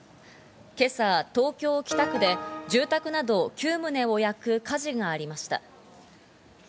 今朝、東京・北区で住宅など９棟を焼く火事がありました。